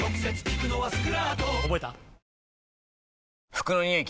服のニオイ